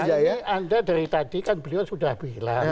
ya ini anda dari tadi kan beliau sudah bilang